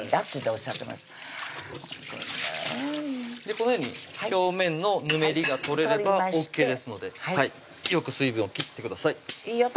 このように表面のぬめりが取れればＯＫですのでよく水分を切ってくださいいい音！